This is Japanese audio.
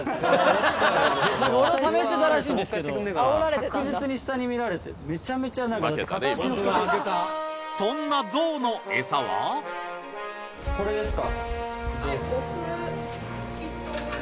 ・確実に下に見られてる・・めちゃめちゃ何か片足のっけてる・そんなゾウのエサはこれですか？